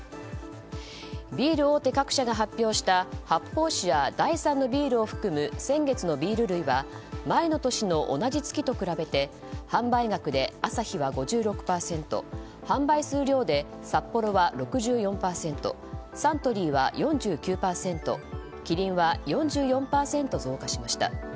ビール大手各社が発表した発泡酒や第３のビールを含む先月のビール類は前の年の同じ月と比べて販売額でアサヒは５６％販売数量でサッポロは６４％サントリーは４９％キリンは４４％増加しました。